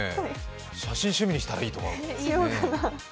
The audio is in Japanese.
写真趣味にしたらいいと思う。